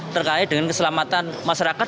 terkait dengan keselamatan masyarakat